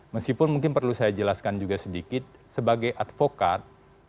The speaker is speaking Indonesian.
meskipun mungkin perlu saya jelaskan juga sedikit sebagai advokat